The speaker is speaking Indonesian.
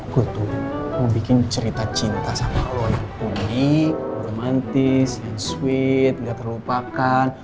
gue tuh mau bikin cerita cinta sama lo yang unik romantis yang sweet gak terlupakan